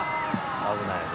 危ないよね。